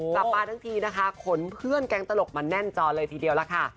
กลับมาทั้งทีนะคะขนเพื่อนแก๊งตลกมาแน่นจอเลยทีเดียวล่ะค่ะ